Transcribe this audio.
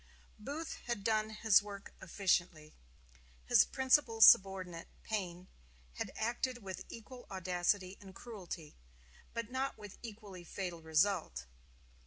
Booth had done his work efficiently. His principal subordinate, Payne, had acted with equal audacity and cruelty, but not with equally fatal result.